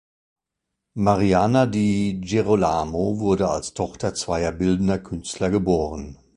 Mariana di Girolamo wurde als Tochter zweier bildender Künstler geboren.